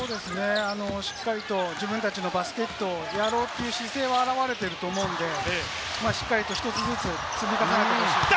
しっかりと自分たちのバスケットをやろうという姿勢は表れていると思うので、しっかり１つずつ積み重ねてほしいですね。